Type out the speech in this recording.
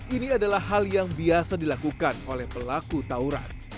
ini adalah hal yang biasa dilakukan oleh pelaku tauran